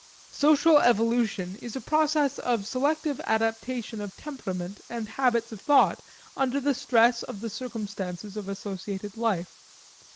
Social evolution is a process of selective adaptation of temperament and habits of thought under the stress of the circumstances of associated life.